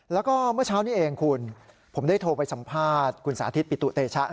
แล้วก็เมื่อเช้านี้เองคุณผมได้โทรไปสัมภาษณ์คุณสาธิตปิตุเตชะ